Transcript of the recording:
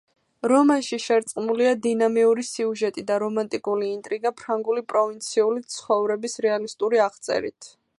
რომანში შერწყმულია დინამიური სიუჟეტი და რომანტიკული ინტრიგა ფრანგული პროვინციული ცხოვრების რეალისტური აღწერით.